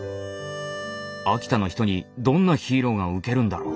秋田の人にどんなヒーローがウケるんだろう。